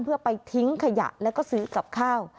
เพื่อไปทิ้งขยะแล้วก็ซื้อกับข้าว